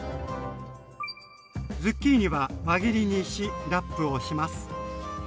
ズッキーニは輪切りにしラップをします。